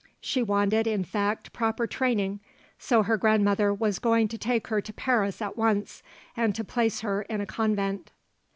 She wanted, in fact, proper training, so her grandmother was going to take her to Paris at once, and to place her in a convent.